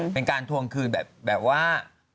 เป็นการทวงคืนแบบว่า